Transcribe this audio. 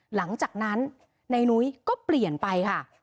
หลังจากนั้นในนุ้ยก็เปลี่ยนไปค่ะ